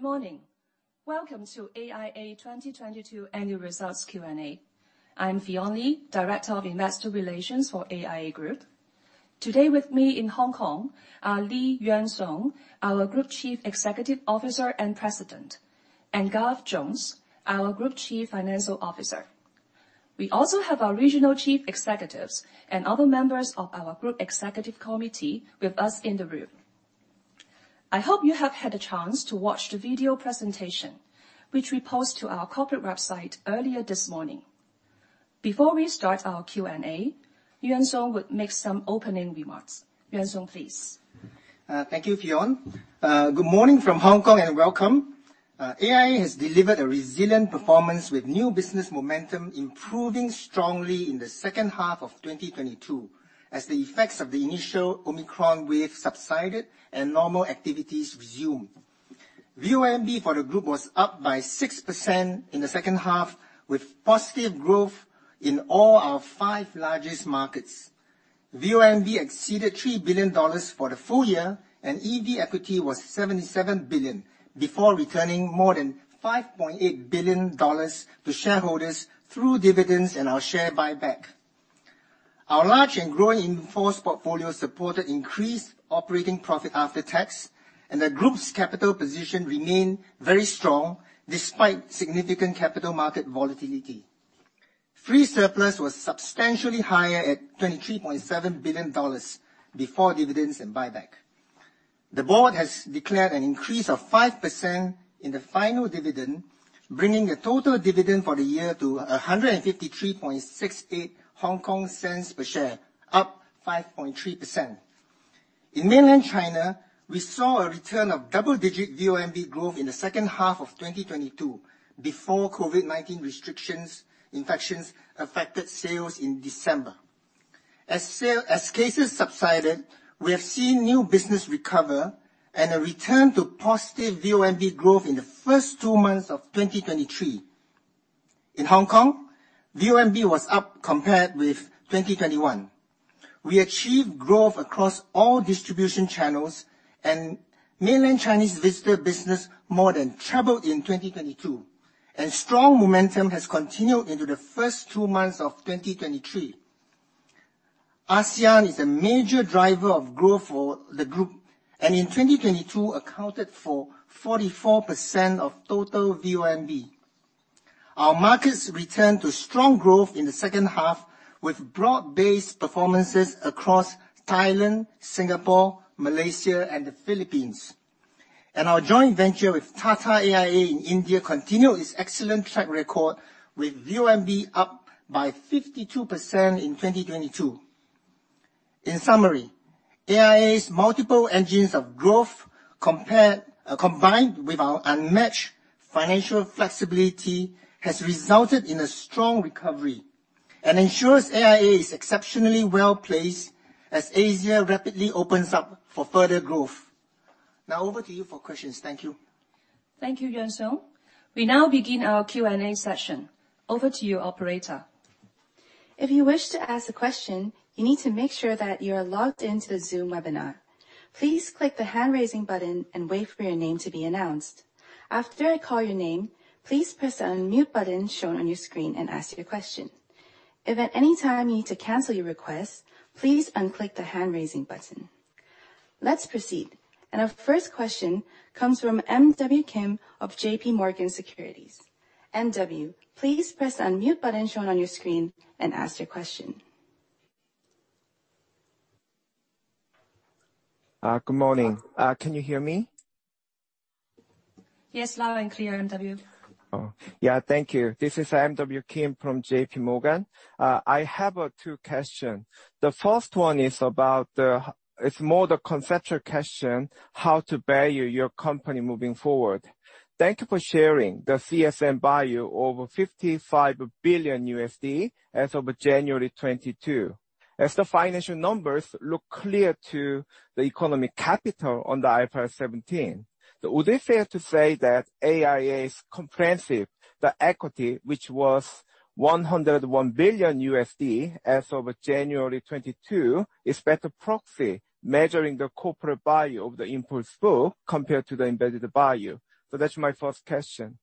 Good morning. Welcome to AIA 2022 annual results Q&A. I'm Fion Li, Director of Investor Relations for AIA Group. Today with me in Hong Kong are Lee Yuan Siong, our Group Chief Executive Officer and President, and Garth Jones, our Group Chief Financial Officer. We also have our regional chief executives and other members of our group executive committee with us in the room. I hope you have had a chance to watch the video presentation, which we post to our corporate website earlier this morning. Before we start our Q&A, Yuan Siong would make some opening remarks. Yuan Siong, please. Thank you, Fion. Good morning from Hong Kong and welcome. AIA has delivered a resilient performance with new business momentum improving strongly in the second half of 2022, as the effects of the initial Omicron wave subsided and normal activities resumed. VONB for the group was up by 6% in the second half with positive growth in all our five largest markets. VONB exceeded $3 billion for the full year, and EV Equity was $77 billion, before returning more than $5.8 billion to shareholders through dividends and our share buyback. Our large and growing in-force portfolio supported increased operating profit after tax, and the group's capital position remained very strong despite significant capital market volatility. Free surplus was substantially higher at $23.7 billion before dividends and buyback. The board has declared an increase of 5% in the final dividend, bringing the total dividend for the year to 153.68 cents per share, up 5.3%. In Mainland China, we saw a return of double-digit VONB growth in the second half of 2022, before COVID-19 restrictions infections affected sales in December. Cases subsided, we have seen new business recover and a return to positive VONB growth in the first two months of 2023. In Hong Kong, VONB was up compared with 2021. We achieved growth across all distribution channels and Mainland Chinese visitor business more than tripled in 2022, and strong momentum has continued into the first two months of 2023. ASEAN is a major driver of growth for the group. In 2022 accounted for 44% of total VONB. Our markets returned to strong growth in the second half with broad-based performances across Thailand, Singapore, Malaysia, and the Philippines. Our joint venture with Tata AIA in India continued its excellent track record with VONB up by 52% in 2022. In summary, AIA's multiple engines of growth combined with our unmatched financial flexibility has resulted in a strong recovery and ensures AIA is exceptionally well-placed as Asia rapidly opens up for further growth. Over to you for questions. Thank you. Thank you, Yuan Siong. We now begin our Q&A session. Over to you, operator. If you wish to ask a question, you need to make sure that you are logged in to the Zoom webinar. Please click the hand-raising button and wait for your name to be announced. After I call your name, please press the Unmute button shown on your screen and ask your question. If at any time you need to cancel your request, please unclick the hand-raising button. Let's proceed. Our first question comes from MW Kim of J.P. Morgan Securities. M.W, please press the Unmute button shown on your screen and ask your question. Good morning. Can you hear me? Yes, loud and clear, M.W. Yeah. Thank you. This is M.W Kim from JP Morgan. I have two question. The first one is about. It's more the conceptual question, how to value your company moving forward. Thank you for sharing the CSM value over $55 billion as of January 22. As the financial numbers look clear to the economic capital on the IFRS 17, would it fair to say that AIA's comprehensive, the equity, which was $101 billion as of January 22, is better proxy measuring the corporate value of the in-force flow compared to the embedded value? That's my first question.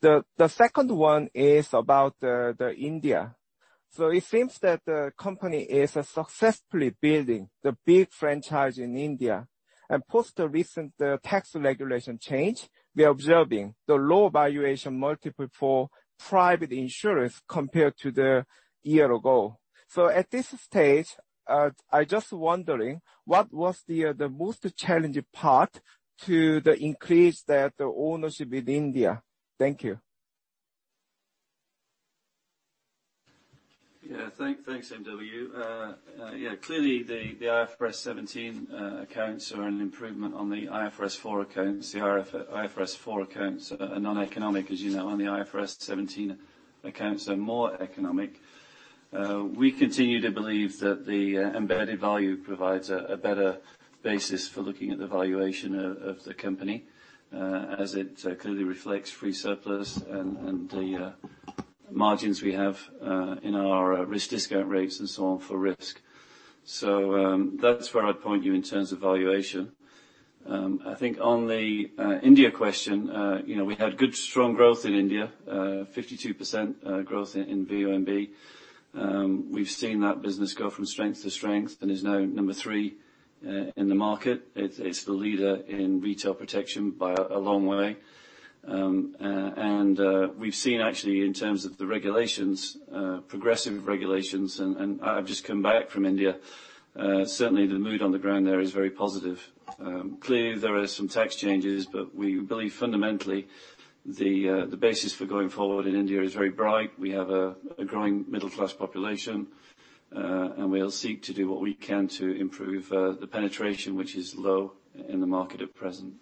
The second one is about the India. It seems that the company is successfully building the big franchise in India. Post the recent tax regulation change, we are observing the low valuation multiple for private insurance compared to the year ago. At this stage, I just wondering, what was the most challenging part to the increase the ownership in India? Thank you. Yeah. Thanks, M.W. Yeah, clearly the IFRS 17 accounts are an improvement on the IFRS 4 accounts. The IFRS 4 accounts are noneconomic, as you know. On the IFRS 17 accounts, they're more economic. We continue to believe that the embedded value provides a better basis for looking at the valuation of the company, as it clearly reflects free surplus and the margins we have in our risk discount rates and so on for risk. That's where I'd point you in terms of valuation. I think on the India question, you know, we had good strong growth in India, 52% growth in VONB. We've seen that business go from strength to strength and is now number three in the market. It's the leader in retail protection by a long way. We've seen actually in terms of the regulations, progressive regulations and I've just come back from India. Certainly the mood on the ground there is very positive. Clearly, there is some tax changes, but we believe fundamentally the basis for going forward in India is very bright. We have a growing middle-class population. We'll seek to do what we can to improve the penetration which is low in the market at present.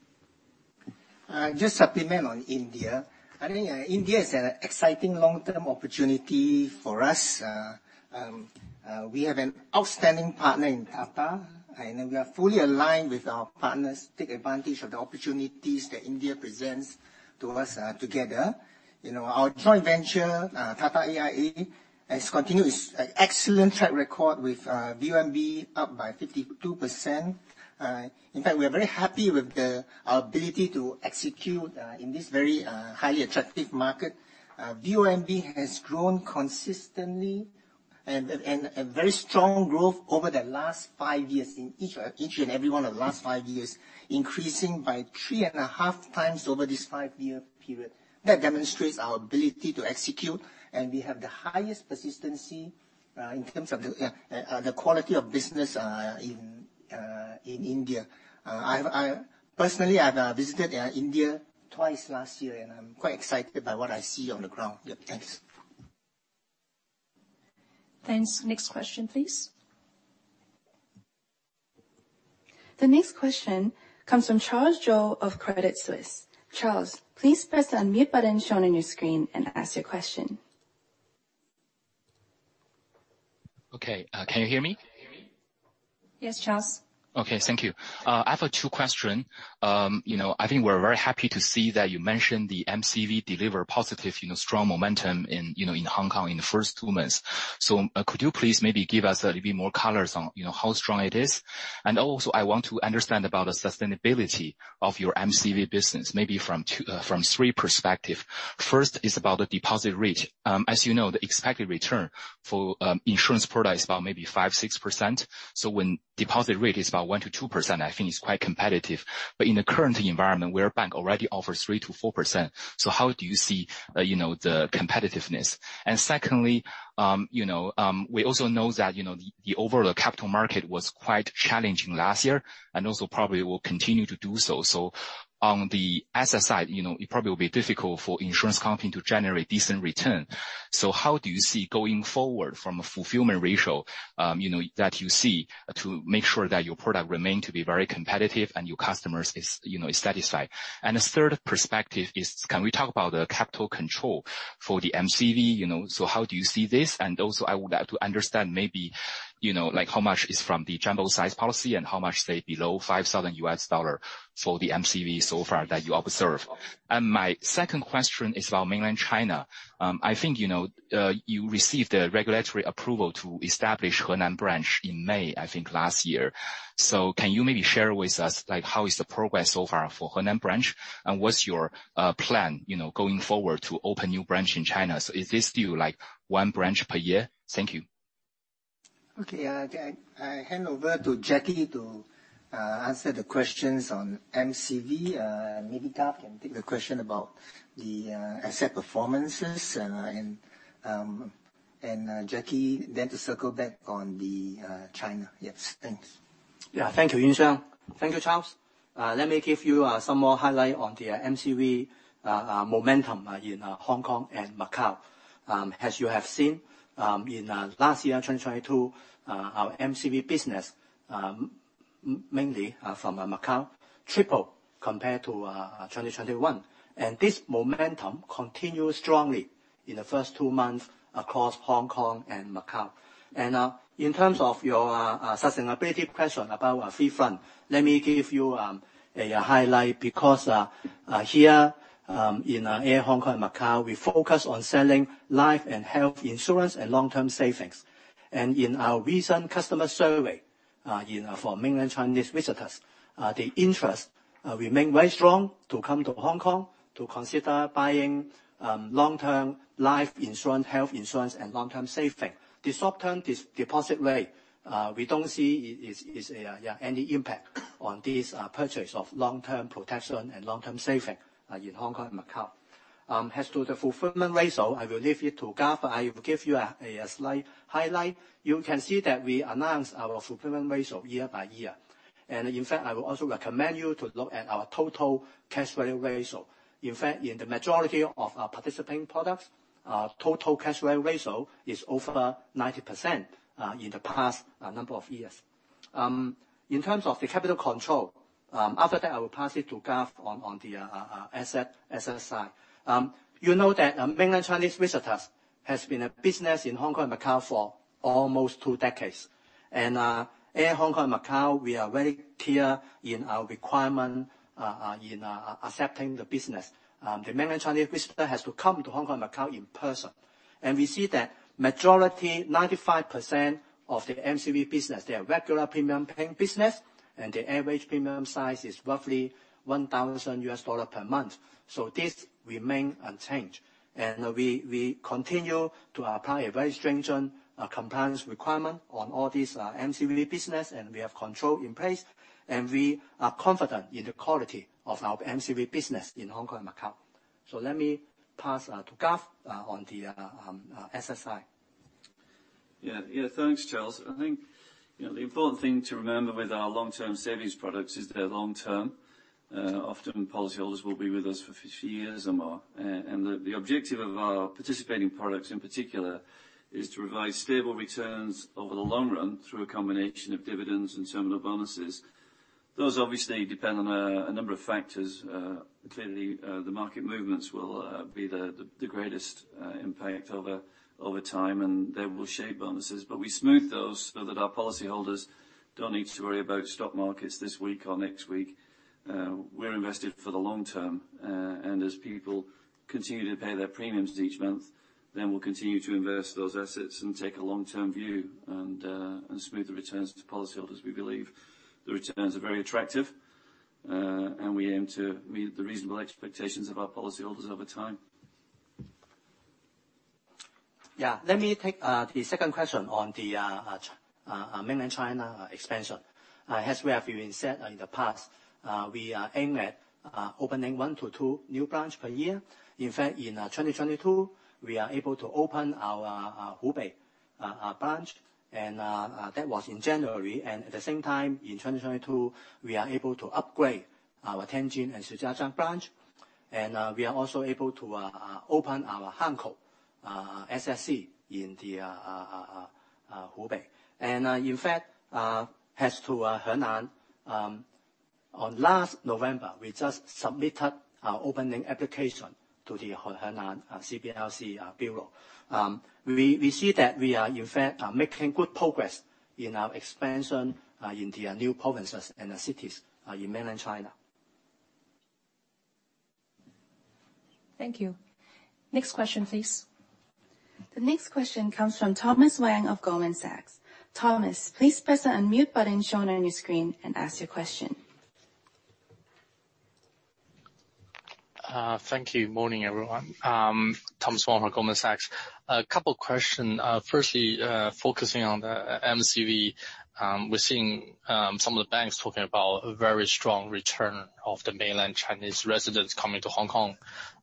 Just supplement on India. I think India is an exciting long-term opportunity for us. We have an outstanding partner in Tata, and we are fully aligned with our partners to take advantage of the opportunities that India presents to us together. You know, our joint venture, Tata AIA, has continued its excellent track record with VONB up by 52%. In fact, we are very happy with our ability to execute in this very highly attractive market. VONB has grown consistently and a very strong growth over the last five years in each and every one of the last five years, increasing by 3.5 times over this five-year period. That demonstrates our ability to execute. We have the highest persistency, in terms of the quality of business, in India. I personally, I've visited India twice last year. I'm quite excited by what I see on the ground. Yeah. Thanks. Thanks. Next question, please. The next question comes from Charles Zhou of Credit Suisse. Charles, please press the mute button shown on your screen and ask your question. Okay, can you hear me? Yes, Charles. Okay. Thank you. I have a two question. You know, I think we're very happy to see that you mentioned the MCV deliver positive, you know, strong momentum in, you know, in Hong Kong in the first two months. Could you please maybe give us a little bit more colors on, you know, how strong it is? I want to understand about the sustainability of your MCV business, maybe from two from three perspective. First is about the deposit rate. As you know, the expected return for insurance product is about maybe 5%-6%. When deposit rate is about 1%-2%, I think it's quite competitive. In the current environment, where bank already offers 3%-4%, how do you see, you know, the competitiveness? Secondly, we also know that the overall capital market was quite challenging last year, and also probably will continue to do so. On the asset side, it probably will be difficult for insurance company to generate decent return. How do you see going forward from a fulfillment ratio that you see to make sure that your product remain to be very competitive and your customers is satisfied? As third perspective is, can we talk about the capital control for the MCV? How do you see this? Also I would like to understand maybe how much is from the general size policy and how much stay below $5,000 for the MCV so far that you observe. My second question is about Mainland China. I think, you know, you received a regulatory approval to establish Henan branch in May, I think, last year. Can you maybe share with us, like, how is the progress so far for Henan branch, and what's your plan, you know, going forward to open new branch in China? Is this still, like, one branch per year? Thank you. Okay. I hand over to Jacky to answer the questions on MCV. Maybe Gav can take the question about the asset performances, and Jacky then to circle back on the China. Yes. Thanks. Yeah. Thank you, Yuan Siong. Thank you, Charles. Let me give you some more highlight on the MCV momentum in Hong Kong and Macau. As you have seen, in last year, 2022, our MCV business, mainly from Macau, triple compared to 2021. This momentum continued strongly in the first two months across Hong Kong and Macau. In terms of your sustainability question about our fee front, let me give you a highlight because here in Hong Kong and Macau, we focus on selling life and health insurance and long-term savings. In our recent customer survey, you know, for mainland Chinese visitors, the interest remain very strong to come to Hong Kong to consider buying long-term life insurance, health insurance and long-term saving. The short-term deposit rate, we don't see is any impact on this purchase of long-term protection and long-term saving in Hong Kong and Macau. As to the fulfillment ratio, I will leave it to Gav. I will give you a slight highlight. You can see that we announced our fulfillment ratio year by year. In fact, I will also recommend you to look at our total cash value ratio. In fact, in the majority of our participating products, our total cash value ratio is over 90% in the past number of years. In terms of the capital control, after that, I will pass it to Gav on the asset side. You know that mainland Chinese visitors has been a business in Hong Kong and Macau for almost two decades. AIA Hong Kong and Macau, we are very clear in our requirement in accepting the business. The mainland Chinese visitor has to come to Hong Kong and Macau in person. We see that majority, 95% of the MCV business, they are regular premium paying business, and the average premium size is roughly $1,000 per month. This remain unchanged. We continue to apply a very stringent compliance requirement on all these MCV business, and we have control in place, and we are confident in the quality of our MCV business in Hong Kong and Macau. Let me pass to Gav on the asset side. Thanks, Charles. I think, you know, the important thing to remember with our long-term savings products is they're long-term. Often policyholders will be with us for few years or more. The objective of our participating products in particular is to provide stable returns over the long run through a combination of dividends and terminal bonuses. Those obviously depend on a number of factors. Clearly, the market movements will be the greatest impact over time, and they will shape bonuses. We smooth those so that our policyholders don't need to worry about stock markets this week or next week. We're invested for the long term. As people continue to pay their premiums each month, then we'll continue to invest those assets and take a long-term view and smooth the returns to policyholders, we believe. The returns are very attractive, and we aim to meet the reasonable expectations of our policyholders over time. Let me take the second question on the Mainland China expansion. As we have even said in the past, we are aim at opening 1 to 2 new branch per year. In 2022, we are able to open our Hubei branch, and that was in January. At the same time, in 2022, we are able to upgrade our Tianjin and Shijiazhuang branch. We are also able to open our Hankou SSC in the Hubei. In fact, as to Henan, on last November, we just submitted our opening application to the Henan CBIRC Bureau. we see that we are in fact, are making good progress in our expansion, in the new provinces and the cities, in Mainland China. Thank you. Next question, please. The next question comes from Thomas Wang of Goldman Sachs. Thomas, please press the unmute button shown on your screen and ask your question. Thank you. Morning, everyone. Thomas Wang from Goldman Sachs. A couple question. Firstly, focusing on the MCV, we're seeing some of the banks talking about a very strong return of the mainland Chinese residents coming to Hong Kong,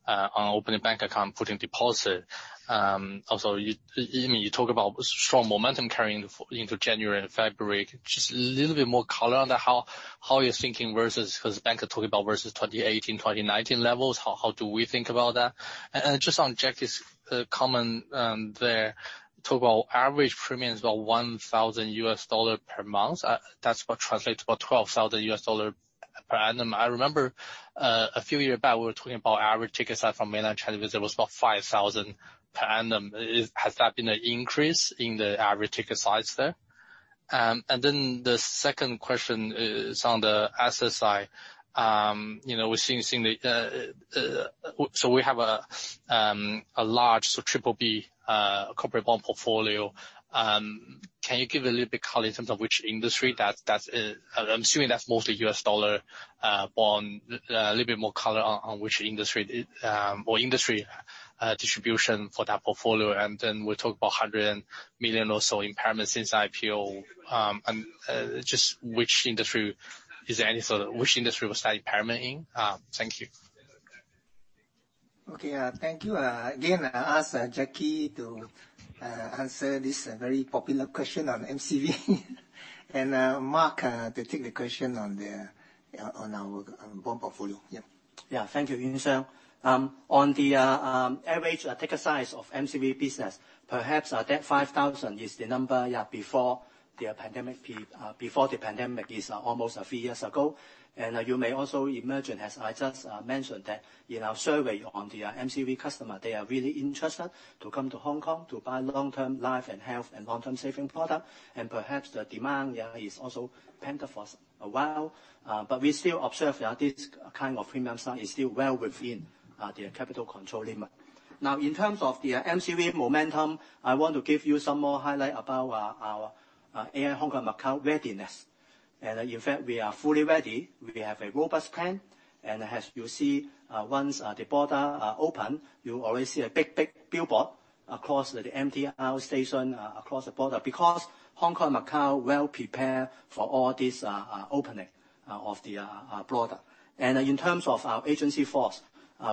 opening bank account, putting deposit. Also, you talk about strong momentum carrying into January and February. Just a little bit more color on how you're thinking versus, because bank are talking about versus 2018, 2019 levels, how do we think about that? Just on Jacky's comment, there, talk about average premiums, about $1,000 per month. That's what translates about $12,000 per annum. I remember a few year back, we were talking about average ticket size from Mainland China visit was about $5,000 per annum. Has that been an increase in the average ticket size there? Then the second question is on the SSI. You know, we're seeing the... We have a large, so triple B corporate bond portfolio. Can you give a little bit color in terms of which industry that's... I'm assuming that's mostly U.S. dollar bond. A little bit more color on which industry or industry distribution for that portfolio. Then we talked about $100 million or so impairment since IPO. And just which industry, is there any sort of which industry was that impairment in? Thank you. Okay, thank you. Again, I ask Jacky to answer this very popular question on MCV. Mark to take the question on the on our bond portfolio. Thank you, Yuan Siong. On the average ticket size of MCV business, perhaps that 5,000 is the number before the pandemic. It's almost three years ago. You may also imagine, as I just mentioned, that in our survey on the MCV customer, they are really interested to come to Hong Kong to buy long-term life and health and long-term saving product. Perhaps the demand is also pent up for a while. We still observe that this kind of premium size is still well within their capital control limit. Now in terms of the MCV momentum, I want to give you some more highlight about our AIA Hong Kong and Macau readiness. In fact, we are fully ready. We have a robust plan. As you see, once the border open, you already see a big, big billboard across the MTR station across the border. Hong Kong and Macau well prepared for all this opening of the border. In terms of our agency force,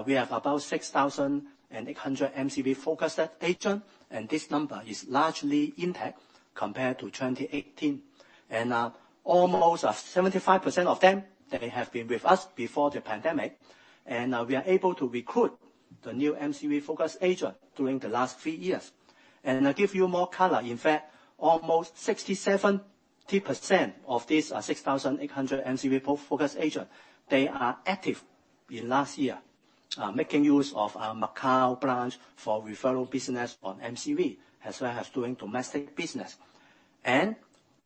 we have about 6,800 MCV-focused agent, and this number is largely intact compared to 2018. Almost 75% of them, they have been with us before the pandemic, and we are able to recruit the new MCV-focused agent during the last three years. I'll give you more color. In fact, almost 67% of these 6,800 MCV focused agent, they are active in last year. Making use of our Macau branch for referral business on MCV, as well as doing domestic business.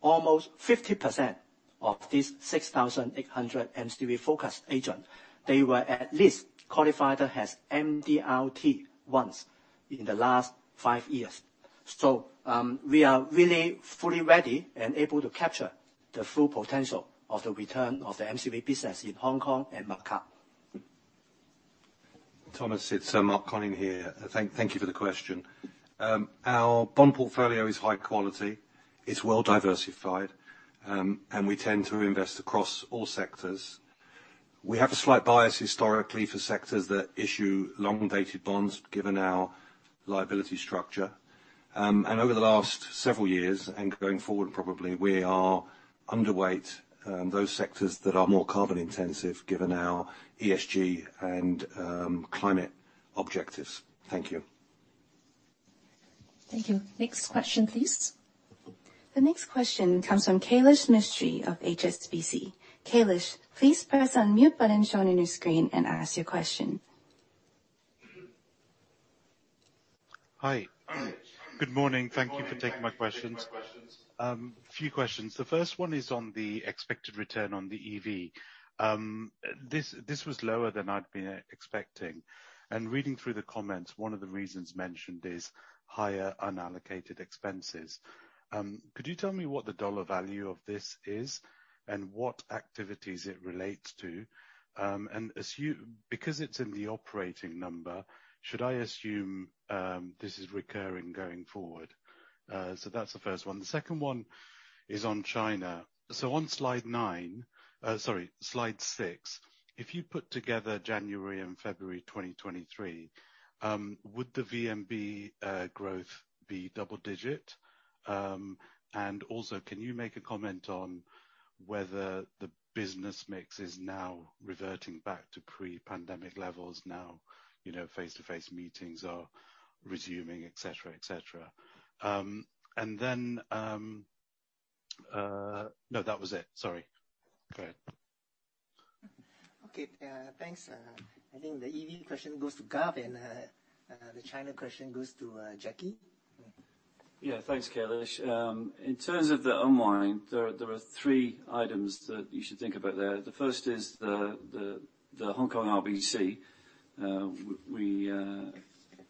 Almost 50% of these 6,800 MCV focused agent, they were at least qualified as MDRT once in the last five years. We are really fully ready and able to capture the full potential of the return of the MCV business in Hong Kong and Macau. Thomas, it's Mark Konyn here. Thank you for the question. Our bond portfolio is high quality. It's well diversified. We tend to invest across all sectors. We have a slight bias historically for sectors that issue long-dated bonds, given our liability structure. Over the last several years, and going forward probably, we are underweight those sectors that are more carbon intensive, given our ESG and climate objectives. Thank you. Thank you. Next question, please. The next question comes from Kailesh Mistry of HSBC. Kailesh, please press unmute button shown on your screen and ask your question. Hi. Good morning. Thank you for taking my questions. Few questions. The first one is on the expected return on the EV. This was lower than I'd been expecting. Reading through the comments, one of the reasons mentioned is higher unallocated expenses. Could you tell me what the dollar value of this is, and what activities it relates to? Because it's in the operating number, should I assume this is recurring going forward? So that's the first one. The second one is on China. On slide nine, sorry, slide six, if you put together January and February 2023, would the VONB growth be double-digit? Also, can you make a comment on whether the business mix is now reverting back to pre-pandemic levels now, you know, face-to-face meetings are resuming, et cetera, et cetera. Then, No, that was it. Sorry. Go ahead. Okay. thanks. I think the EV question goes to Gav, and the China question goes to Jacky. Yeah. Thanks, Kailash. In terms of the unwind, there are three items that you should think about there. The first is the Hong Kong RBC.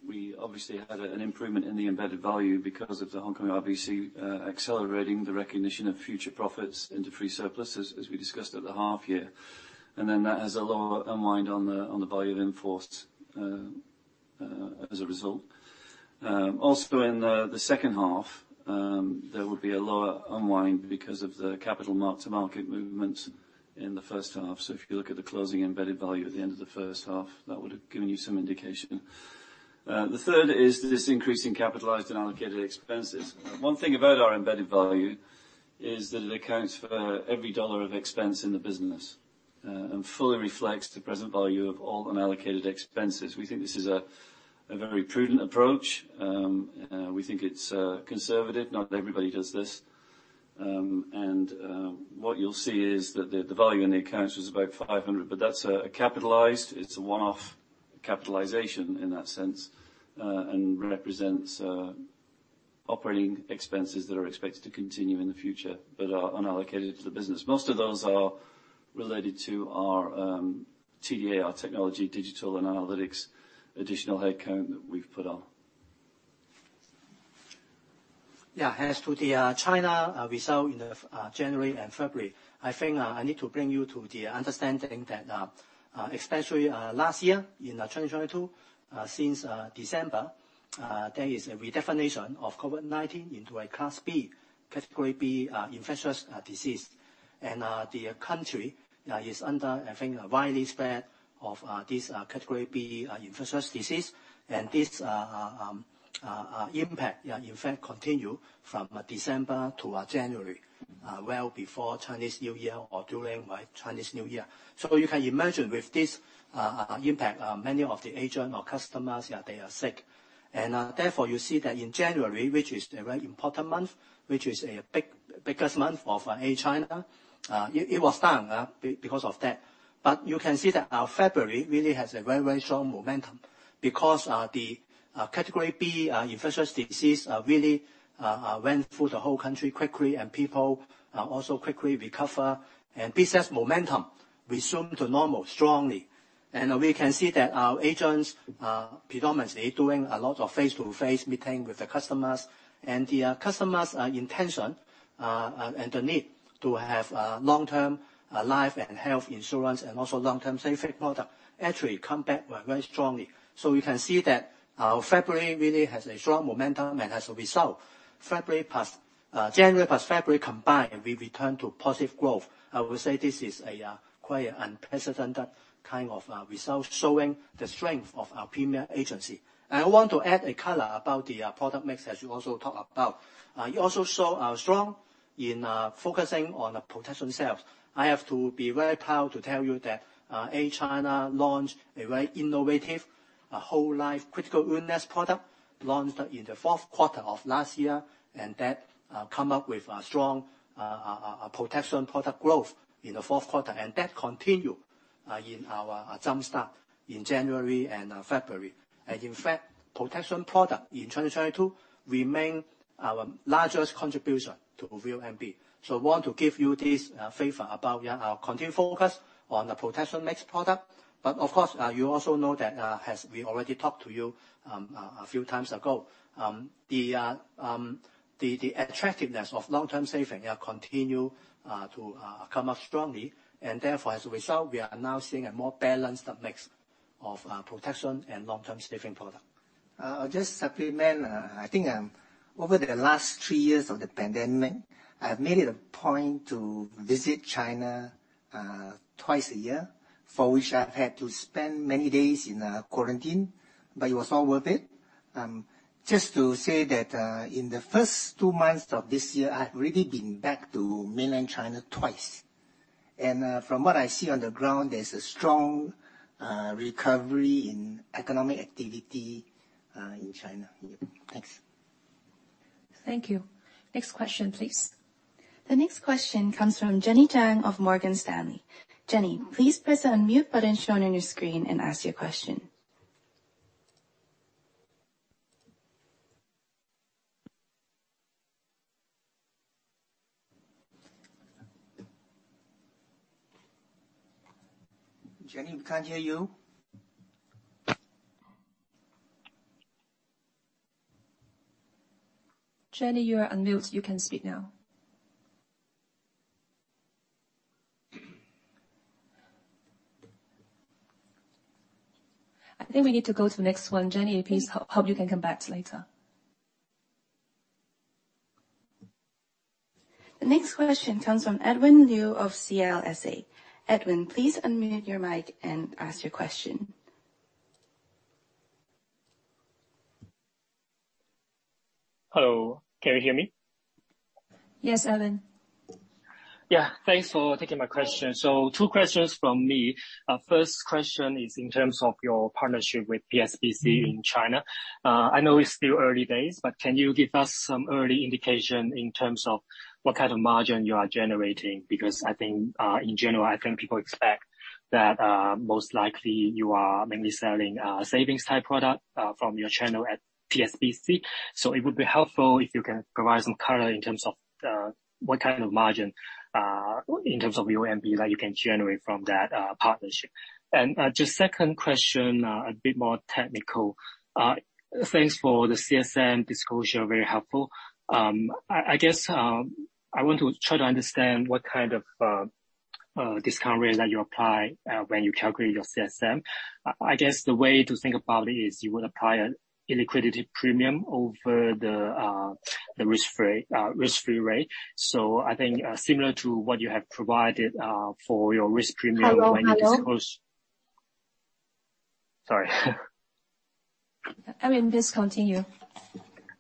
We obviously had an improvement in the embedded value because of the Hong Kong RBC, accelerating the recognition of future profits into free surplus, as we discussed at the half year. That has a lower unwind on the value of in-force as a result. Also in the second half, there would be a lower unwind because of the capital mark-to-market movement in the first half. If you look at the closing embedded value at the end of the first half, that would've given you some indication. The third is this increase in capitalized and allocated expenses. One thing about our embedded value is that it accounts for every dollar of expense in the business, and fully reflects the present value of all unallocated expenses. We think this is a very prudent approach. We think it's conservative. Not everybody does this. What you'll see is that the value in the accounts was about $500 million. It's a one-off capitalization in that sense, and represents operating expenses that are expected to continue in the future, but are unallocated to the business. Most of those are related to our TDA, our technology, digital, and analytics additional headcount that we've put on. Yeah. As to the China result in the January and February, I think, I need to bring you to the understanding that especially last year in 2022, since December, there is a redefinition of COVID-19 into a Class B, Category B, infectious disease. The country is under, I think, a widely spread of this Category B infectious disease, and this impact, yeah, in fact, continue from December to January, well before Chinese New Year or during Chinese New Year. You can imagine with this impact, many of the agent or customers, yeah, they are sick. Therefore, you see that in January, which is a very important month, which is the biggest month of China, it was down because of that. You can see that February really has a very, very strong momentum because the Class B infectious disease really went through the whole country quickly, and people also quickly recover and business momentum resume to normal strongly. We can see that our agents are predominantly doing a lot of face-to-face meeting with the customers. The customers' intention and the need to have long-term life and health insurance and also long-term savings product actually come back very strongly. We can see that, February really has a strong momentum. As a result, February plus January plus February combined, we return to positive growth. I would say this is a quite an unprecedented kind of result, showing the strength of our premium agency. I want to add a color about the product mix, as you also talk about. You also saw our strong in focusing on the protection sales. I have to be very proud to tell you that, AIA China launched a very innovative A whole life critical illness product launched in the Q4 of last year and that come up with a strong protection product growth in the fourth quarter. That continue in our jump start in January and February. In fact, protection product in 2022 remain our largest contribution to VONB. Want to give you this favor about our continued focus on the protection mix product. Of course, you also know that as we already talked to you a few times ago, the attractiveness of long-term saving continue to come up strongly. Therefore, as a result, we are now seeing a more balanced mix of protection and long-term saving product. I'll just supplement. I think, over the last three years of the pandemic, I have made it a point to visit China twice a year, for which I've had to spend many days in quarantine. It was all worth it. Just to say that, in the first two months of this year, I've already been back to mainland China twice. From what I see on the ground, there's a strong recovery in economic activity in China. Thanks. Thank you. Next question, please. The next question comes from Jenny Jiang of Morgan Stanley. Jenny, please press the unmute button shown on your screen and ask your question. Jenny, we can't hear you. Jenny, you are unmute. You can speak now. I think we need to go to the next one. Jenny, please, hope you can come back later. The next question comes from Edwin Liu of CLSA. Edwin, please unmute your mic and ask your question. Hello, can you hear me? Yes, Edwin. Yeah. Thanks for taking my question. Two questions from me. First question is in terms of your partnership with PSBC in China. I know it's still early days, but can you give us some early indication in terms of what kind of margin you are generating? I think, in general, I think people expect that most likely you are mainly selling a savings type product from your channel at PSBC. It would be helpful if you can provide some color in terms of the, what kind of margin, in terms of your MB, that you can generate from that partnership. Just second question, a bit more technical. Thanks for the CSM disclosure. Very helpful. I guess, I want to try to understand what kind of discount rate that you apply when you calculate your CSM. I guess the way to think about it is you would apply an illiquidity premium over the risk-free rate. I think similar to what you have provided for your risk premium when you disclose. Hello? Hello? Sorry. Edwin, please continue.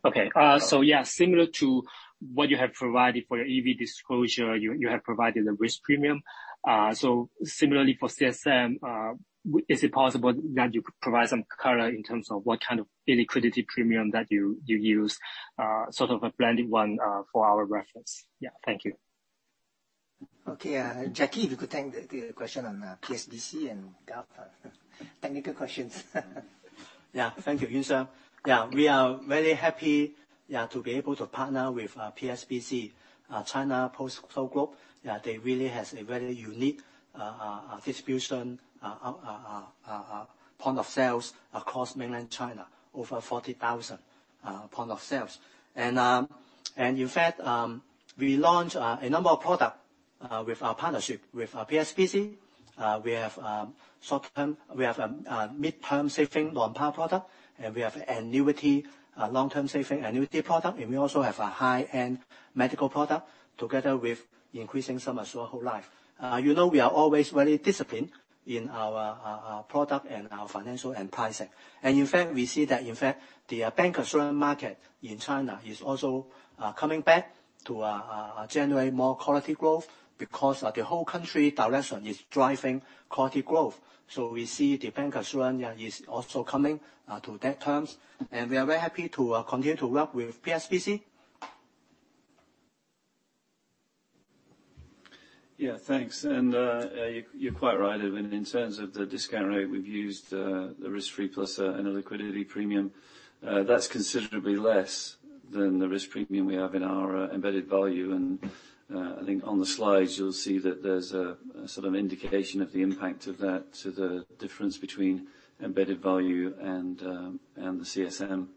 Yeah, similar to what you have provided for your EV disclosure, you have provided a risk premium. Similarly for CSM, is it possible that you could provide some color in terms of what kind of illiquidity premium that you use? Sort of a blended one for our reference. Yeah. Thank you. Okay. Jacky, if you could take the question on PSBC and gov, technical questions. Yeah. Thank you, Yunxian. Yeah, we are very happy to be able to partner with PSBC, China Post Group Corporation. Yeah, they really has a very unique distribution, point of sales across mainland China, over 40,000 point of sales. In fact, we launched a number of product with our partnership with PSBC. We have short-term, we have a mid-term saving non-par product, and we have annuity, long-term saving annuity product, and we also have a high-end medical product together with increasing sum as well, whole life. you know, we are always very disciplined in our product and our financial and pricing. In fact, we see that the bank insurance market in China is also coming back to generate more quality growth because the whole country direction is driving quality growth. We see the bank insurance is also coming to that terms, and we are very happy to continue to work with PSBC. Thanks. You're quite right, Edwin. In terms of the discount rate we've used, the risk-free plus an illiquidity premium, that's considerably less than the risk premium we have in our embedded value. I think on the slides you'll see that there's a sort of indication of the impact of that to the difference between embedded value and the CSM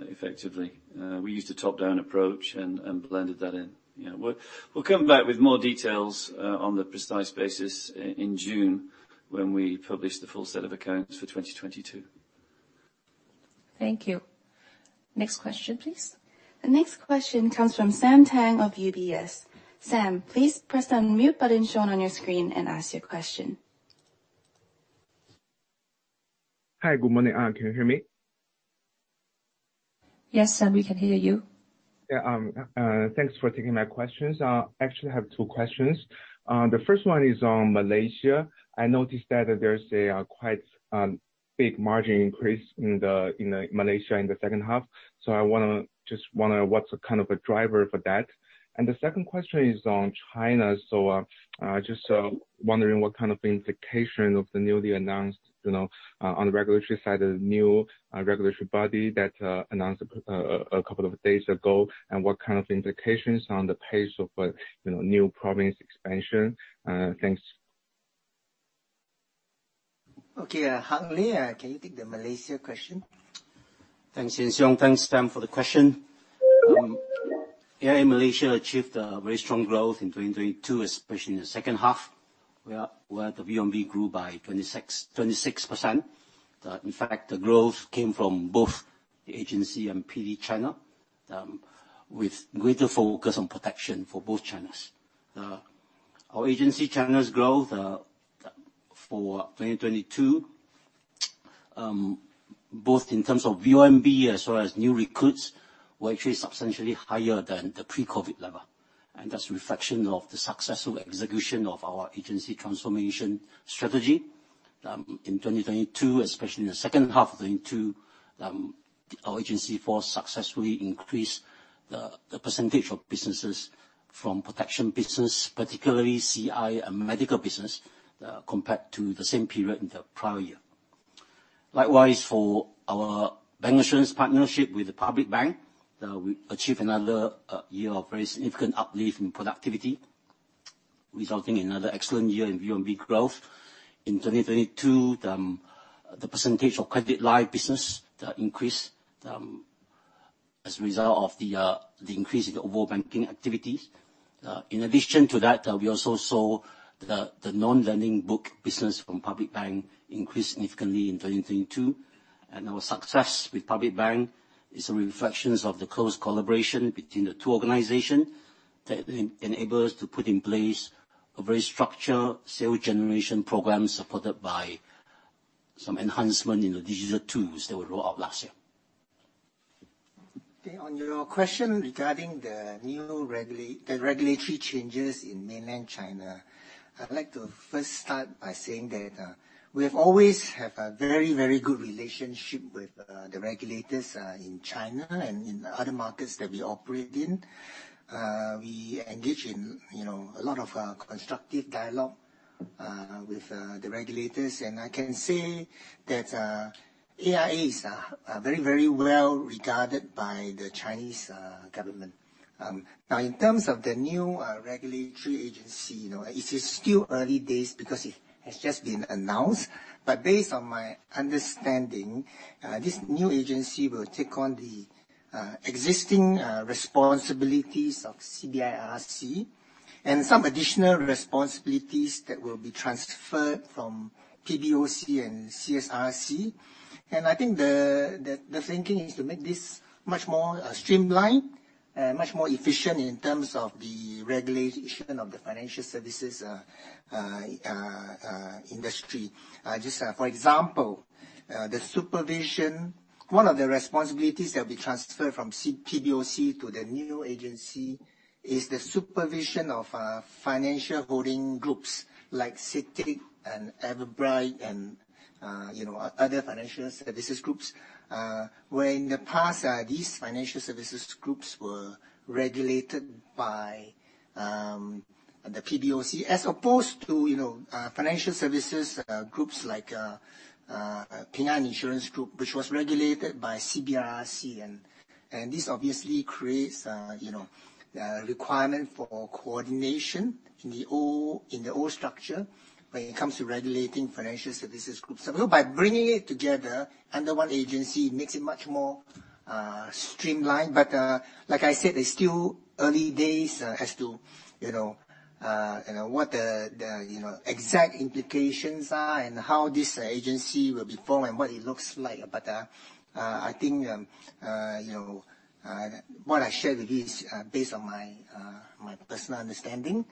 effectively. We used a top-down approach and blended that in. We'll come back with more details, on the precise basis in June when we publish the full set of accounts for 2022. Thank you. Next question, please. The next question comes from Sam Tang of UBS. Sam, please press the unmute button shown on your screen and ask your question. Hi, good morning. Can you hear me? Yes, Sam, we can hear you. Yeah. Thanks for taking my questions. Actually have two questions. The first one is on Malaysia. I noticed that there's a quite big margin increase in the in the Malaysia in the second half. I wanna just wonder what's the kind of a driver for that. The second question is on China. Just wondering what kind of indication of the newly announced, you know, on the regulatory side, the new regulatory body that announced a couple of days ago, and what kind of implications on the pace of, you know, new province expansion. Thanks. Okay. Hang Li, can you take the Malaysia question? Thanks, Lee Siong. Thanks, Sam, for the question. AIA Malaysia achieved a very strong growth in 2022, especially in the second half, where the VMB grew by 26%. In fact, the growth came from both the agency and PD channel, with greater focus on protection for both channels. Our agency channels growth for 2022, both in terms of VMB as well as new recruits, were actually substantially higher than the pre-COVID level, and that's a reflection of the successful execution of our agency transformation strategy in 2022, especially in the second half of 2022. Our agency force successfully increased the percentage of businesses from protection business, particularly CI and medical business, compared to the same period in the prior year. Likewise, for our bancassurance partnership with the Public Bank, we achieved another year of very significant uplift in productivity, resulting in another excellent year in VONB growth. In 2022, the % of credit life business increased as a result of the increase in the overall banking activities. In addition to that, we also saw the non-lending book business from Public Bank increased significantly in 2022. Our success with Public Bank is a reflection of the close collaboration between the two organizations that enables to put in place a very structured sales generation program supported by some enhancement in the digital tools that we roll out last year. Okay, on your question regarding the regulatory changes in Mainland China, I'd like to first start by saying that we have always have a very, very good relationship with the regulators in China and in other markets that we operate in. We engage in, you know, a lot of constructive dialogue with the regulators. I can say that AIA is very, very well regarded by the Chinese government. Now, in terms of the new regulatory agency, you know, it is still early days because it has just been announced. Based on my understanding, this new agency will take on the existing responsibilities of CBIRC and some additional responsibilities that will be transferred from PBOC and CSRC. I think the thinking is to make this much more streamlined, much more efficient in terms of the regulation of the financial services industry. Just for example, one of the responsibilities that will be transferred from PBOC to the new agency is the supervision of financial holding groups like CITIC and Everbright and, you know, other financial services groups. Where in the past, these financial services groups were regulated by the PBOC, as opposed to, you know, financial services groups like Ping An Insurance Group, which was regulated by CBIRC. This obviously creates, you know, a requirement for coordination in the old structure when it comes to regulating financial services groups. By bringing it together under one agency, it makes it much more streamlined. Like I said, it's still early days, as to, you know, you know, what the, you know, exact implications are and how this agency will perform and what it looks like. I think, you know, what I shared with you is based on my personal understanding.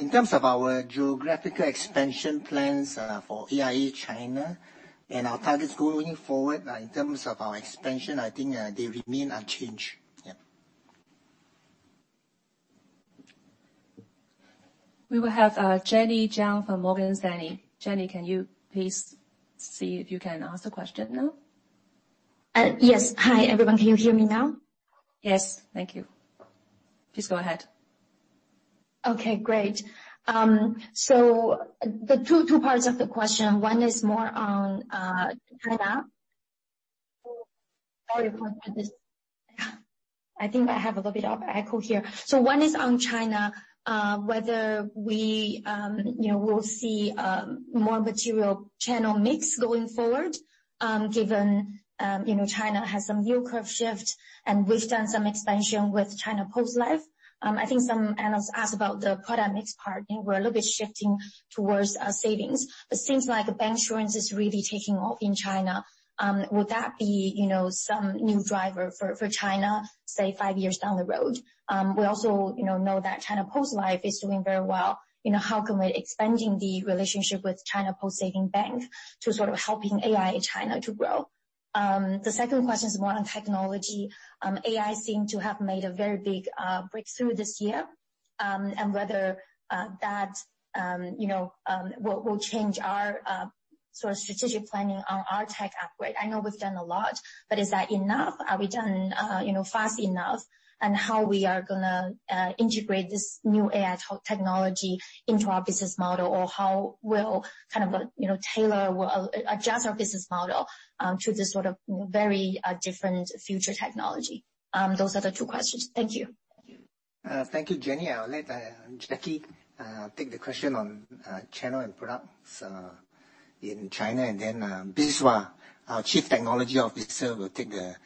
In terms of our geographical expansion plans for AIA China and our targets going forward, in terms of our expansion, I think, they remain unchanged. Yeah. We will have Jenny Jiang from Morgan Stanley. Jenny, can you please see if you can ask the question now? yes. Hi, everyone. Can you hear me now? Yes. Thank you. Please go ahead. Okay, great. The two parts of the question, one is more on China. I think I have a little bit of echo here. One is on China, whether we, you know, will see more material channel mix going forward, given, you know, China has some yield curve shift and we've done some expansion with China Post Life. I think some analysts asked about the product mix part, and we're a little bit shifting towards savings. It seems like bancassurance is really taking off in China. Would that be, you know, some new driver for China, say, five years down the road? We also, you know that China Post Life is doing very well. You know, how can we expanding the relationship with Postal Savings Bank of China to sort of helping AIA China to grow? The second question is more on technology. AI seem to have made a very big breakthrough this year. Whether that, you know, will change our sort of strategic planning on our tech upgrade. I know we've done a lot, but is that enough? Are we doing, you know, fast enough? How we are gonna integrate this new AI technology into our business model or how we'll kind of, you know, tailor or adjust our business model to this sort of very different future technology. Those are the two questions. Thank you. Thank you, Jenny. I'll let Jacky take the question on channel and products in China. Then Biswas, our Chief Technology Officer, will take the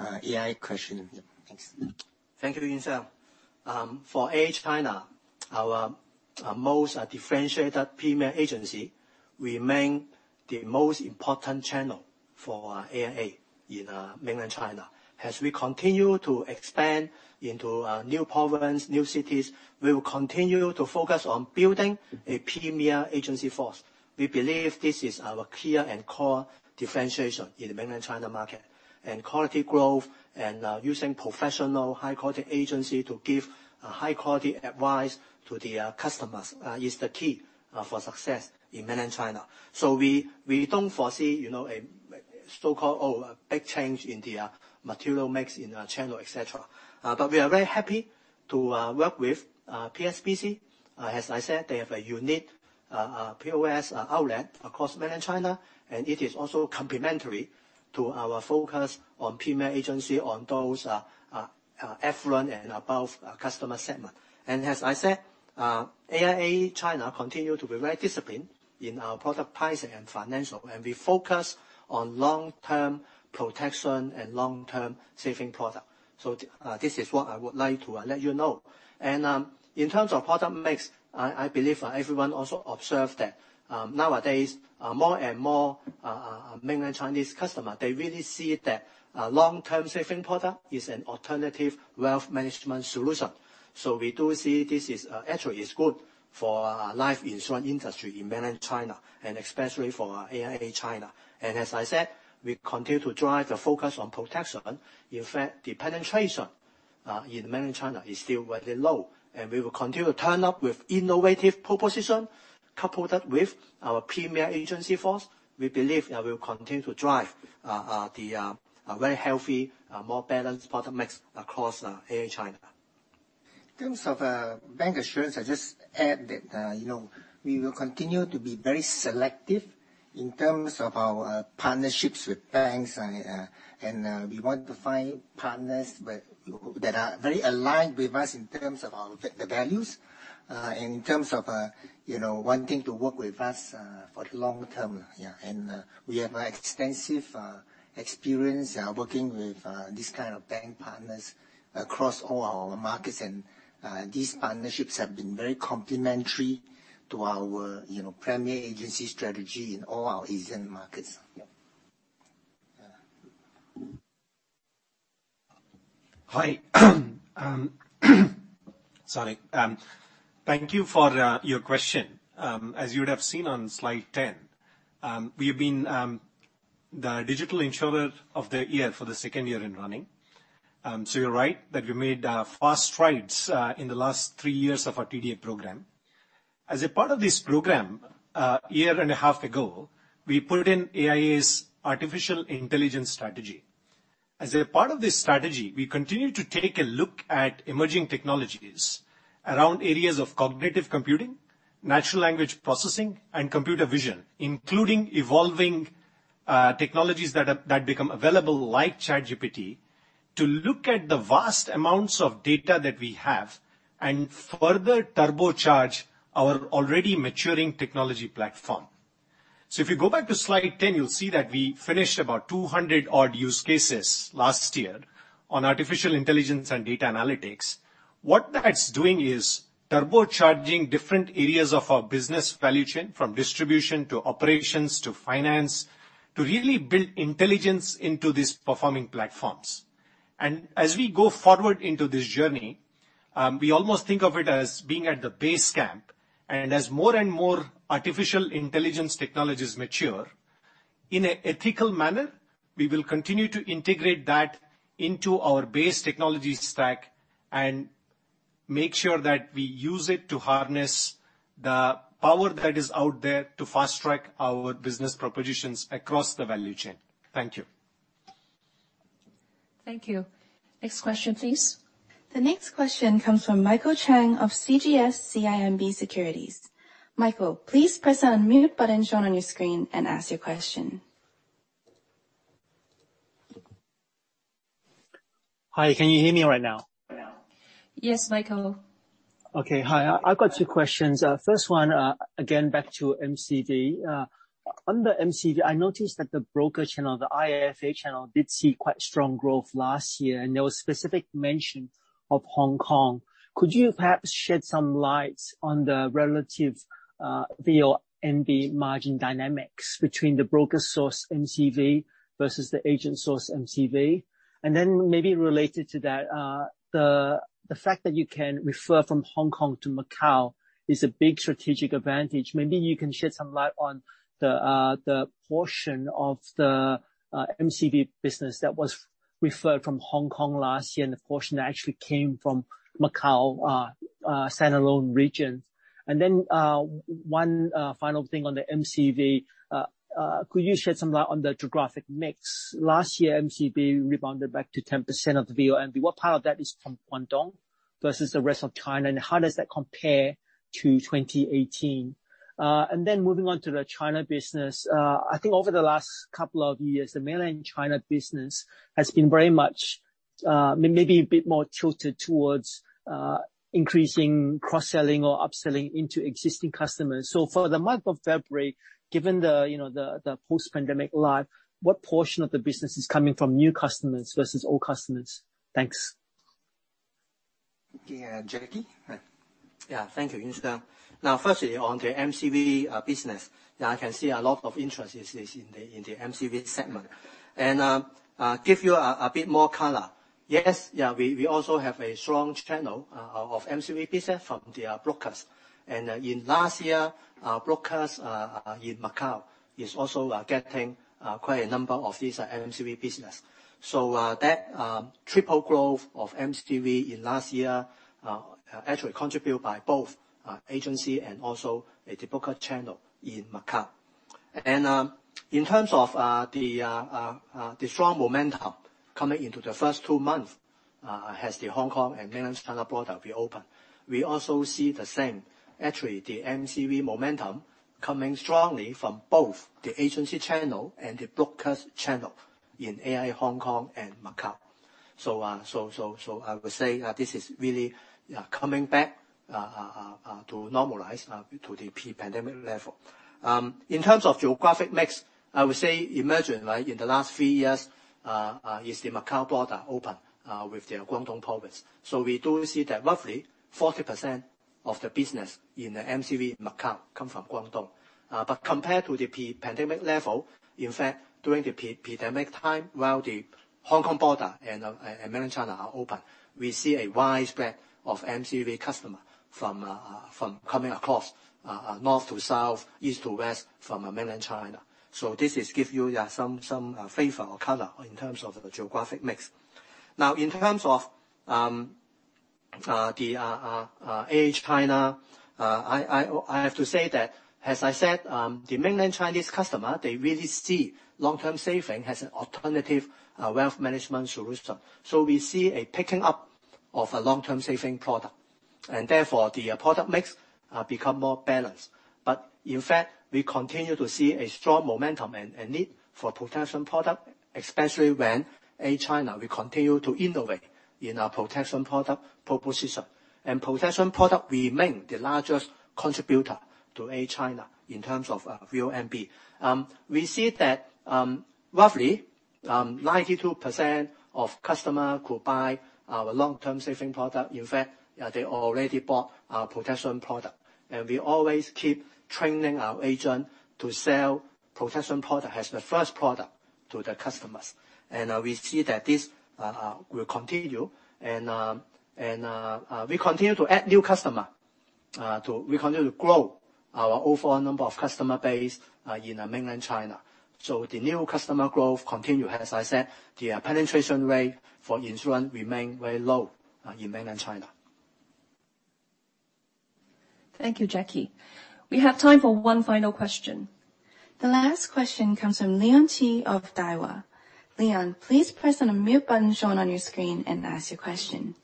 AI question. Thanks. Thank you, Jun Zhao. For AIA China, our most differentiated premier agency remain the most important channel for AIA in Mainland China. As we continue to expand into new provinces, new cities, we will continue to focus on building a premier agency force. We believe this is our clear and core differentiation in the Mainland China market. Quality growth and using professional high quality agency to give a high quality advice to the customers is the key for success in Mainland China. We don't foresee, you know, a so-called big change in the material mix in our channel, et cetera. We are very happy to work with PSBC. As I said, they have a unique POS outlet across Mainland China, and it is also complementary to our focus on premier agency on those affluent and above customer segment. As I said, AIA China continue to be very disciplined in our product pricing and financial, and we focus on long-term protection and long-term saving product. This is what I would like to let you know. In terms of product mix, I believe everyone also observed that nowadays, more and more Mainland Chinese customer, they really see that a long-term saving product is an alternative wealth management solution. We do see this is actually good for our life insurance industry in Mainland China, and especially for our AIA China. As I said, we continue to drive the focus on protection. In fact, the penetration in Mainland China is still very low. We will continue to turn up with innovative proposition coupled up with our premier agency force. We believe, we'll continue to drive the very healthy, more balanced product mix across AIA China. In terms of bancassurance, I just add that, you know, we will continue to be very selective in terms of our partnerships with banks. We want to find partners that are very aligned with us in terms of our the values. In terms of, you know, wanting to work with us for the long term. Yeah. We have extensive experience working with these kind of bank partners across all our markets. These partnerships have been very complementary to our, you know, premier agency strategy in all our Asian markets. Yeah. Yeah. Hi. Sorry. Thank you for your question. As you would have seen on slide 10, we've been the Digital Insurer of the Year for the 2nd year in running. You're right that we made fast strides in the last three years of our TDA program. As a part of this program, year and a half ago, we put in AIA's artificial intelligence strategy. As a part of this strategy, we continue to take a look at emerging technologies around areas of cognitive computing, natural language processing, and computer vision, including evolving technologies that are, that become available like ChatGPT, to look at the vast amounts of data that we have and further turbocharge our already maturing technology platform. If you go back to slide 10, you'll see that we finished about 200 odd use cases last year on artificial intelligence and data analytics. What that's doing is turbocharging different areas of our business value chain from distribution to operations to finance to really build intelligence into these performing platforms. As we go forward into this journey, we almost think of it as being at the base camp. As more and more artificial intelligence technologies mature, in an ethical manner, we will continue to integrate that into our base technology stack and make sure that we use it to harness the power that is out there to fast-track our business propositions across the value chain. Thank you. Thank you. Next question, please. The next question comes from Michael Chang of CGS-CIMB Securities. Michael, please press the unmute button shown on your screen and ask your question. Hi, can you hear me right now? Yes, Michael. Okay. Hi. I've got two questions. First one, again, back to MCV. Under MCV, I noticed that the broker channel, the IFA channel, did see quite strong growth last year, and there was specific mention of Hong Kong. Could you perhaps shed some light on the relative V or MV margin dynamics between the broker source MCV versus the agent source MCV? Maybe related to that, the fact that you can refer from Hong Kong to Macau is a big strategic advantage. Maybe you can shed some light on the portion of the MCV business that was referred from Hong Kong last year, and the portion that actually came from Macau, standalone region. One final thing on the MCV. Could you shed some light on the geographic mix? Last year, MCV rebounded back to 10% of the VONB. What part of that is from Guangdong versus the rest of China, and how does that compare to 2018? Moving on to the China business, I think over the last couple of years, the mainland China business has been very much maybe a bit more tilted towards increasing cross-selling or upselling into existing customers. For the month of February, given the, you know, the post-pandemic life, what portion of the business is coming from new customers versus old customers? Thanks. Yeah, Jacky? Yeah. Thank you. Yeah. Firstly, on the MCV business. Yeah, I can see a lot of interest is in the MCV segment. Give you a bit more color. Yes, yeah, we also have a strong channel of MCV business from the brokers. In last year, our brokers in Macau is also getting quite a number of these MCV business. That triple growth of MCV in last year actually contributed by both agency and also the broker channel in Macau. And, um, in terms of, uh, the, uh, uh, uh, the strong momentum coming into the first two months, uh, as the Hong Kong and mainland China border reopen, we also see the same, actually, the MCV momentum coming strongly from both the agency channel and the brokers channel in AI Hong Kong and Macau. So, uh, so, so, so I would say, uh, this is really, uh, coming back, uh, uh, uh, to normalize, uh, to the pre-pandemic level. Um, in terms of geographic mix, I would say imagine, right, in the last few years, uh, uh, is the Macau border open, uh, with the Guangdong province. So we do see that roughly forty percent of the business in the MCV Macau come from Guangdong. Compared to the pre-pandemic level, in fact, during the pandemic time, while the Hong Kong border and Mainland China are open, we see a wide spread of MCV customer from coming across north to south, east to west, from Mainland China. This is give you, yeah, some flavor or color in terms of the geographic mix. Now, in terms of the AIA China, I have to say that, as I said, the Mainland Chinese customer, they really see long-term saving as an alternative wealth management solution. We see a picking up of a long-term saving product, and therefore the product mix become more balanced. In fact, we continue to see a strong momentum and need for protection product, especially when AIA China will continue to innovate in our protection product proposition. Protection product remain the largest contributor to AIA China in terms of VONB. We see that roughly 92% of customer could buy our long-term saving product. In fact, they already bought our protection product. We always keep training our agent to sell protection product as the first product to the customers. We see that this will continue and we continue to grow our overall number of customer base in mainland China. The new customer growth continue. As I said, the penetration rate for insurance remain very low in mainland China. Thank you, Jacky. We have time for one final question. The last question comes from Leon Qi of Daiwa. Leon, please press on the mute button shown on your screen and ask your question.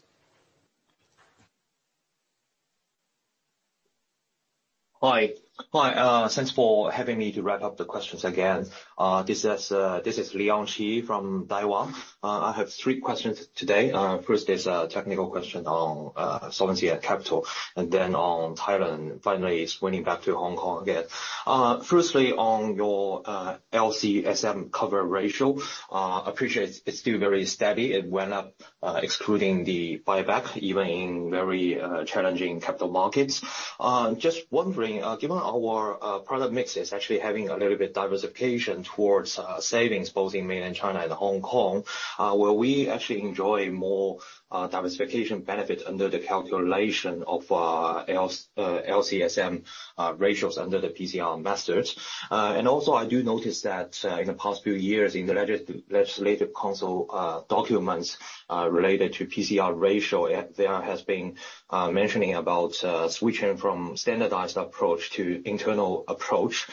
Hi. Thanks for having me to wrap up the questions again. This is Leon Qi from Daiwa. I have three questions today. First is a technical question on solvency and capital, then on Thailand. Finally, it's going back to Hong Kong again. Firstly, on your LCSM cover ratio, appreciate it's still very steady. It went up, excluding the buyback, even in very challenging capital markets. Just wondering, given our product mix is actually having a little bit diversification towards savings both in Mainland China and Hong Kong, will we actually enjoy more diversification benefit under the calculation of LS, LCSM ratios under the PCR methods? Also I do notice that, in the past few years in the legislative council documents related to PCR ratio, there has been mentioning about switching from standardized approach to internal approach.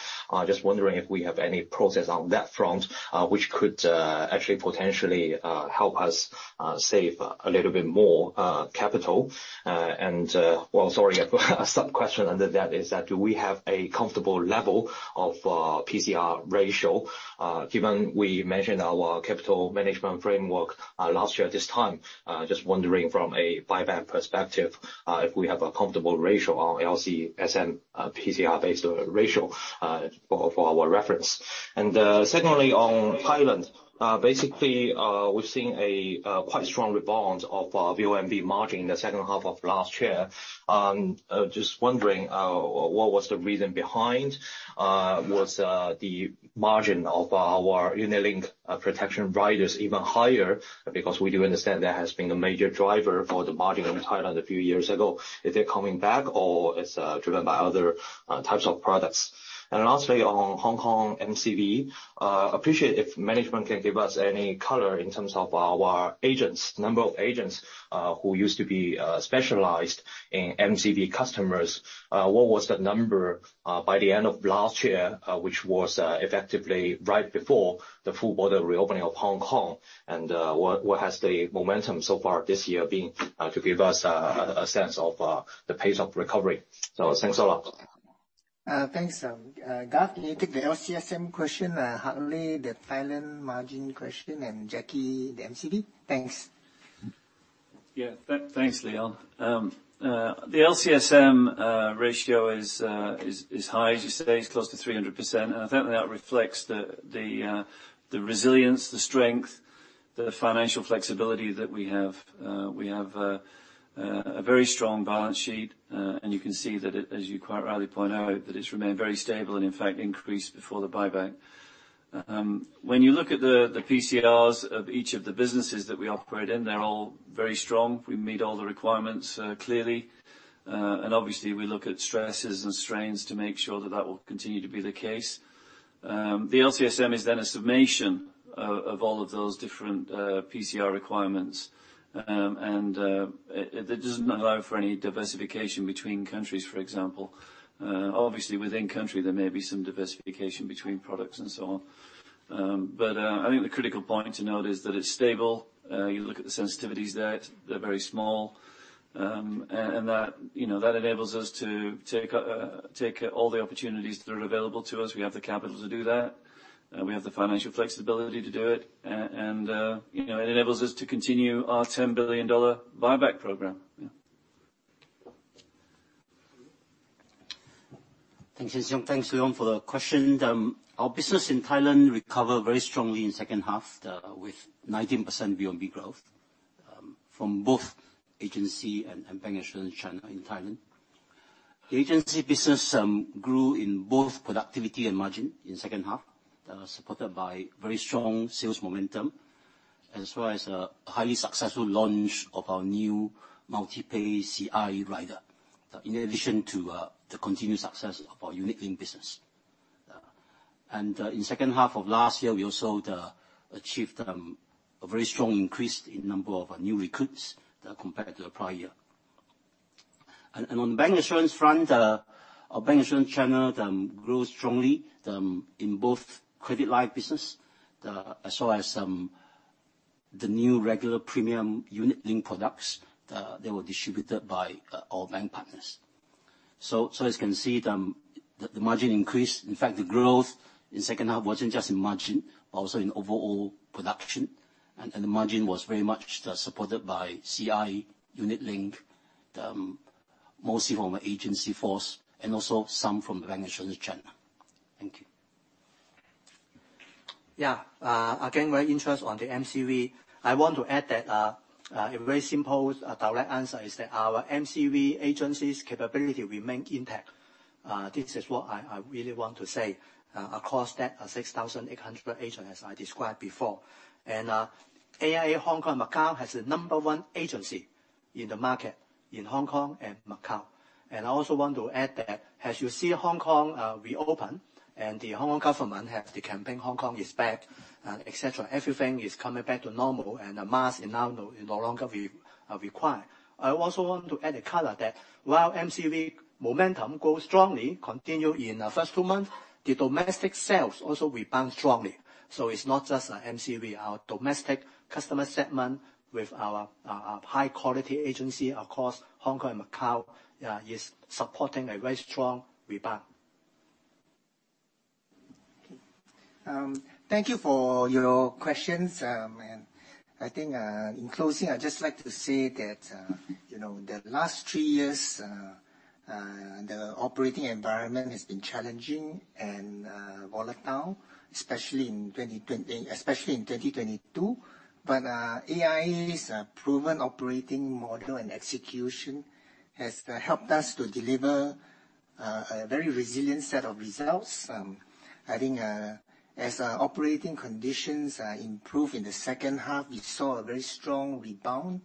Just wondering if we have any process on that front, which could actually potentially help us save a little bit more capital. Well, sorry, a sub-question under that is that do we have a comfortable level of PCR ratio, given we mentioned our capital management framework last year at this time? Just wondering from a buyback perspective, if we have a comfortable ratio on LCSM, PCR-based ratio, for our reference. Secondly on Thailand, basically, we've seen a quite strong rebound of VONB margin in the second half of last year. Just wondering what was the reason behind? Was the margin of our interlink protection riders even higher? Because we do understand that has been a major driver for the margin in Thailand a few years ago. Is it coming back or it's driven by other types of products? Lastly, on Hong Kong MCV, appreciate if management can give us any color in terms of our agents, number of agents, who used to be specialized in MCV customers. What was the number by the end of last year, which was effectively right before the full border reopening of Hong Kong, and what has the momentum so far this year been, to give us a sense of the pace of recovery? Thanks a lot. Thanks, Garth. Can you take the LCSM question? Hartley, the Thailand margin question, and Jacky, the MCV? Thanks. Yeah. Thanks, Leon. The LCSM ratio is high. As you say, it's close to 300%, and I think that reflects the resilience, the strength, the financial flexibility that we have. We have a very strong balance sheet. You can see that it, as you quite rightly point out, that it's remained very stable and, in fact, increased before the buyback. When you look at the PCRs of each of the businesses that we operate in, they're all very strong. We meet all the requirements clearly. Obviously we look at stresses and strains to make sure that that will continue to be the case. The LCSM is then a summation of all of those different PCR requirements. It does not allow for any diversification between countries, for example. Obviously within country, there may be some diversification between products and so on. I think the critical point to note is that it's stable. You look at the sensitivities there, they're very small. That, you know, that enables us to take all the opportunities that are available to us. We have the capital to do that. We have the financial flexibility to do it. You know, it enables us to continue our $10 billion buyback program. Thank you, Yuan Siong. Thanks, Leon, for the question. Our business in Thailand recover very strongly in second half, with 19% BoB growth, from both agency and bank insurance channel in Thailand. The agency business grew in both productivity and margin in second half, supported by very strong sales momentum, as well as a highly successful launch of our new Multi-Pay CI rider. In addition to the continued success of our unit linked business. In second half of last year, we also achieved a very strong increase in number of our new recruits, compared to the prior year. On bank insurance front, our bank insurance channel grew strongly in both credit line business, as well as the new regular premium unit linked products that were distributed by our bank partners. As you can see, the margin increased. In fact, the growth in second half wasn't just in margin, but also in overall production, and the margin was very much supported by CI unit linked. Mostly from agency force and also some from the bank insurance channel. Thank you. Yeah. Again, very interest on the MCV. I want to add that a very simple, direct answer is that our MCV agency's capability remain intact. This is what I really want to say. Across that 6,800 agent, as I described before. AIA Hong Kong and Macau has the number one agency in the market in Hong Kong and Macau. I also want to add that as you see Hong Kong reopen and the Hong Kong government have the campaign Hong Kong is back, et cetera, everything is coming back to normal and the mask is now no longer required. I also want to add a color that while MCV momentum grows strongly, continue in the first 2 months, the domestic sales also rebound strongly. It's not just MCV. Our domestic customer segment with our high quality agency across Hong Kong and Macau is supporting a very strong rebound. Okay. Thank you for your questions. I think, in closing, I'd just like to say that, you know, the last three years, the operating environment has been challenging and volatile, especially in 2022. AIA's proven operating model and execution has helped us to deliver a very resilient set of results. I think, as our operating conditions improve in the second half, we saw a very strong rebound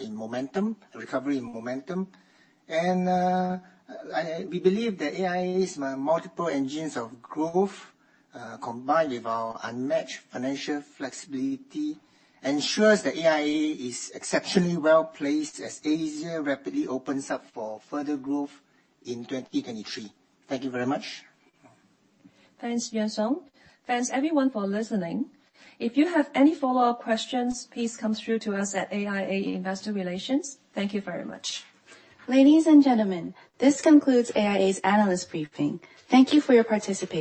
in momentum, recovery in momentum. We believe that AIA's multiple engines of growth, combined with our unmatched financial flexibility ensures that AIA is exceptionally well placed as Asia rapidly opens up for further growth in 2023. Thank you very much. Thanks, Yuan Siong. Thanks everyone for listening. If you have any follow-up questions, please come through to us at AIA Investor Relations. Thank you very much. Ladies and gentlemen, this concludes AIA's analyst briefing. Thank you for your participation.